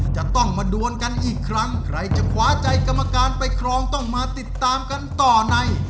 จะต้องมาดวนกันอีกครั้งใครจะขวาใจกรรมการไปครองต้องมาติดตามกันต่อใน